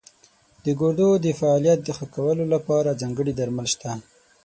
د ګردو د فعالیت ښه کولو لپاره ځانګړي درمل شته.